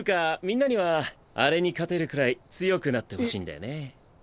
みんなにはあれに勝てるくらい強くなってほしいんだよね。